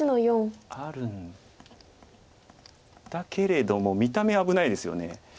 眼があるんだけれども見た目は危ないですよね。